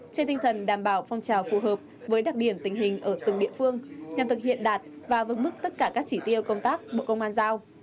trên tinh thần đảm bảo phong trào phù hợp với đặc điểm tình hình ở từng địa phương nhằm thực hiện đạt và vững mức tất cả các chỉ tiêu công tác bộ công an giao